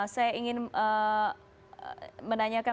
saya ingin menanyakan